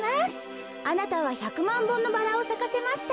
あなたは１００まんぼんのバラをさかせました。